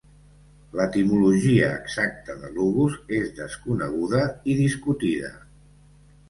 L'etimologia exacta de Lugus és desconeguda i discutida.